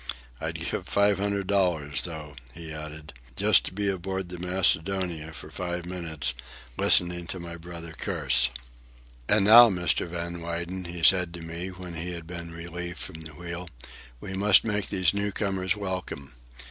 "I'd give five hundred dollars, though," he added, "just to be aboard the Macedonia for five minutes, listening to my brother curse." "And now, Mr. Van Weyden," he said to me when he had been relieved from the wheel, "we must make these new comers welcome.